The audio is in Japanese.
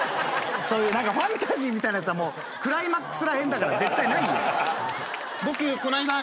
そういうファンタジーみたいなやつはクライマックスらへんだから絶対ない。